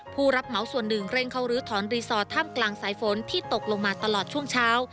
ผู้รับเหมาส่วนหนึ่งเร่งเข้ารื้อถอนรีสอร์ทท่ามกลางสายฝนที่ตกลงมาตลอดช่วงเช้า